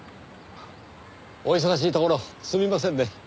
お忙しいところすみませんね。